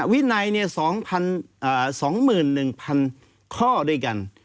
วินัยสองหมื่นนึงพันข้อด้วยกัน